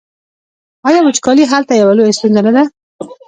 آیا وچکالي هلته یوه لویه ستونزه نه ده؟